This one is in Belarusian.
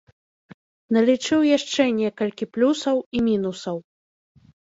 Налічыў яшчэ некалькі плюсаў і мінусаў.